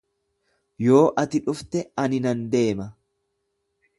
Yoo ati dhufte ani nan deema.